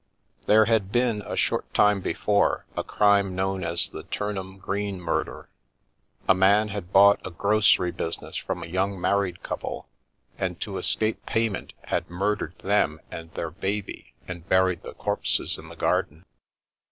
There had been, a short time before, a crime known as the " Turnham Green Murder." A man had bought a grocery business from a young married couple, and to escape payment had murdered them and their baby, and buried the corpses in the garden.